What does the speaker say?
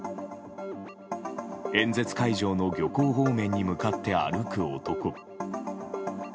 演説会場の漁港方面に向かって歩く男。